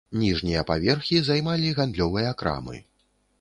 Ніжнія паверхі займалі гандлёвыя крамы.